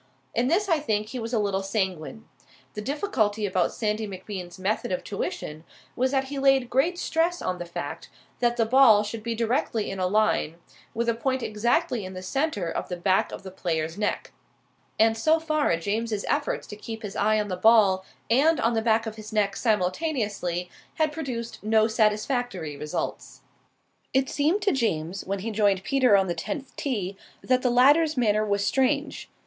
In this I think he was a little sanguine. The difficulty about Sandy MacBean's method of tuition was that he laid great stress on the fact that the ball should be directly in a line with a point exactly in the centre of the back of the player's neck; and so far James's efforts to keep his eye on the ball and on the back of his neck simultaneously had produced no satisfactory results. It seemed to James, when he joined Peter on the tenth tee, that the latter's manner was strange.